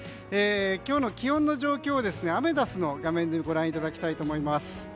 今日の気温の状況をアメダスの画面でご覧いただきたいと思います。